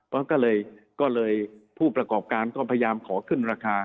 เพราะฉะนั้นก็เลยผู้ประกอบการก็พยายามขอขึ้นราคา